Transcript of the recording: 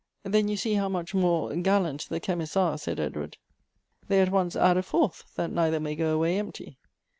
" Then you see how much more gallant the chemists are," said Edward. " They at once add a fourth, that neither may go away empty."